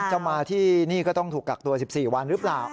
จะมาที่นี่ก็ต้องถูกกักตัว๑๔วันหรือเปล่า